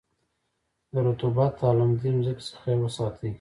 د رطوبت او لمدې مځکې څخه یې وساتی.